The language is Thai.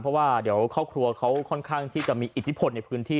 เพราะว่าเดี๋ยวครอบครัวเขาค่อนข้างที่จะมีอิทธิพลในพื้นที่